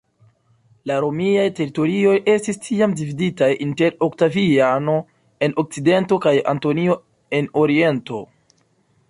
La Romiaj teritorioj estis tiam dividitaj inter Oktaviano en Okcidento kaj Antonio en Oriento.